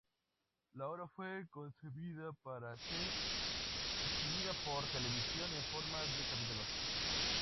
La obra fue concebida para ser exhibida por televisión en forma de capítulos.